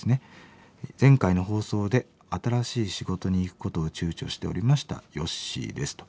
「前回の放送で新しい仕事に行くことをちゅうちょしておりましたヨッシーです」と。